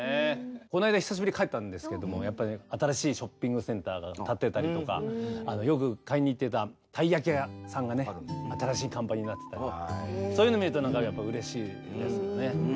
この間久しぶりに帰ったんですけどもやっぱね新しいショッピングセンターが建ってたりとかよく買いに行ってたたい焼き屋さんがね新しい看板になってたりそういうのを見ると何かやっぱうれしいですよね。